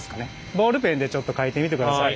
ボールペンでちょっと書いてみてください。